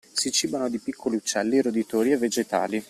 Si cibano di piccoli uccelli, roditori e vegetali.